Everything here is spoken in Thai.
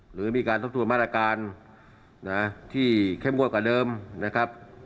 หรือมีการทบทวนมาตรการที่เข้มงวดกว่าเดิมนะครับ